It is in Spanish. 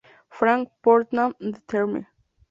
Frank Portman de The Mr.